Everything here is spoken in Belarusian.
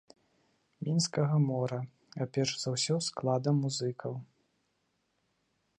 Мінскага мора, а перш за ўсё складам музыкаў.